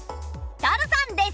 ダルさんです！